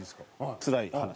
つらい話。